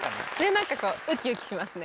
なんかこうウキウキしますね。